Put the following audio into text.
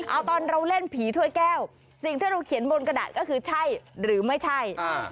เอาตอนเราเล่นผีถ้วยแก้วสิ่งที่เราเขียนบนกระดาษก็คือใช่หรือไม่ใช่